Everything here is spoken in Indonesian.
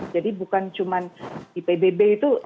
jadi bukan cuman di pbb itu